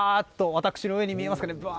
私の上に見えますけど。